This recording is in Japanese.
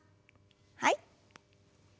はい。